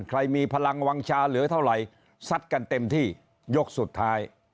ใครมีพลังวางชาเหลือเท่าไหร่ซัดกันเต็มที่ยกสุดท้าย